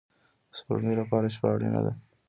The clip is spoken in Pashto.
د سپوږمۍ لپاره شپه اړین ده